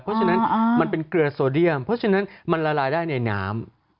เพราะฉะนั้นมันเป็นเกลือโซเดียมเพราะฉะนั้นมันละลายได้ในน้ำ